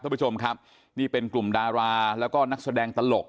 ท่านผู้ชมครับนี่เป็นกลุ่มดาราแล้วก็นักแสดงตลก